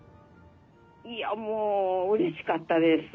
いやもううれしかったです。